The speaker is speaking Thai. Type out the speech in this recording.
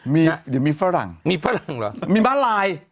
มีมีฝรั่งมีฝรั่งเหรอมีมาลาย